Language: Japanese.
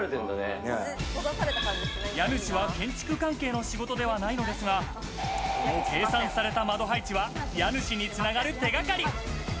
家主は建築関係の仕事ではないのですが、この計算された窓配置は家主につながる手掛かり。